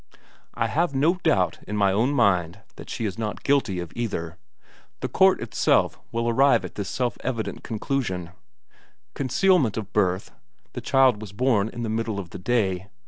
I have no doubt in my own mind that she is not guilty of either the court will itself arrive at this self evident conclusion. Concealment of birth the child was born in the middle of the day.